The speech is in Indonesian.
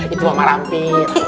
itu mama ramping